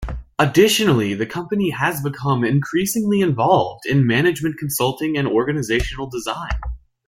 Additionally, the company has become increasingly involved in management consulting and organizational design.